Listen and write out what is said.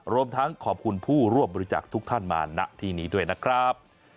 รวมทั้งขอบคุณผู้ร่วมบริจักษ์ทุกท่านมาณที่นี้ด้วยนะครับ